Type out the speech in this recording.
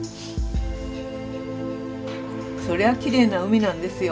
それはきれいな海なんですよ